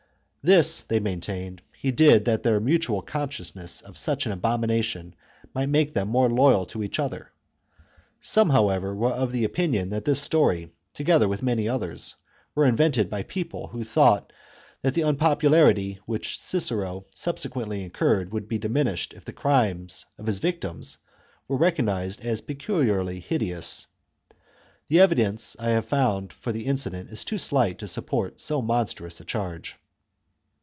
This [they maintained] he did that their mutual con sciousness of such an abomination might make them more loyal to each other. Some, however, were of opinion that this story, together with many others, was invented by people who thought that the unpopu larity which Cicero subsequently incurred would be diminished if the crime of his victims were recognised as peculiarly hideous. The evidence I have found for the incident is too slight to support so monstrous a charge.